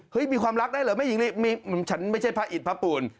มีความรักได้เหรอแม่หญิงลีฉันไม่ใช่พระอิตพระปูน